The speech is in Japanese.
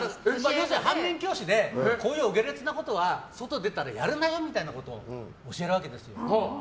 要するに反面教師でこういうお下劣なことは外出たらやるなよみたいなことを教えるわけですよ。